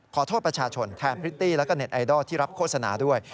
ขอโทษประชาชนแทนพริตตี้แล้วก็เน็ตไอดอลที่รับโฆษณาด้วย